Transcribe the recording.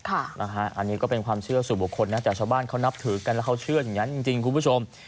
อันนี้ก็เป็นความเชื่อสู่บุคคลนะแต่ชาวบ้านเขานับถือกันแล้วเขาเชื่ออย่างนั้นจริงคุณผู้ชม